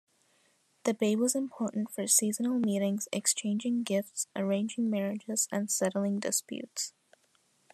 The bay was important for seasonal meetings, exchanging gifts, arranging marriages and settling disputes.